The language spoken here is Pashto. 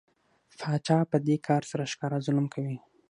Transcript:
پاچا په دې کار سره ښکاره ظلم کوي.